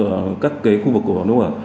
ở các cái khu vực của hà nội